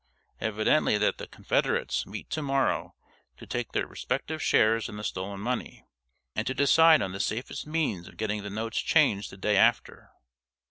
Evidently that the confederates meet to morrow to take their respective shares in the stolen money, and to decide on the safest means of getting the notes changed the day after.